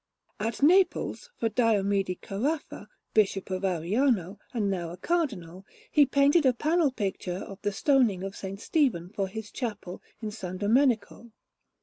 At Naples, for Diomede Caraffa, Bishop of Ariano, and now a Cardinal, he painted a panel picture of the Stoning of S. Stephen for his chapel in S. Domenico.